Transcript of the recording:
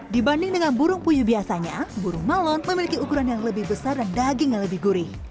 dibanding dengan burung puyuh biasanya burung malon memiliki ukuran yang lebih besar dan daging yang lebih gurih